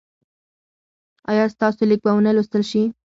ایا ستاسو لیک به و نه لوستل شي؟